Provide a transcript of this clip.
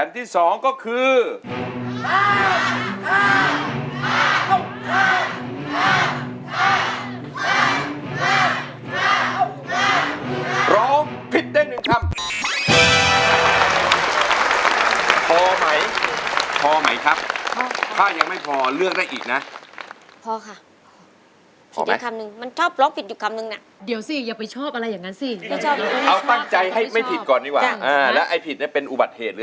ดีครับถ้าเราไม่มั่นใจเราใช้เลยอยากได้อะไรมากที่สุด